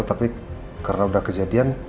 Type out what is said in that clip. tapi karena udah kejadian